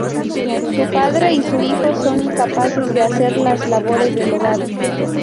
Un padre y su hijo, son incapaces de hacer las labores del hogar.